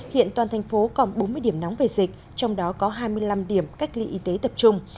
hiện toàn thành phố còn bốn mươi điểm nóng về dịch trong đó có hai mươi năm điểm cách ly y tế tập trung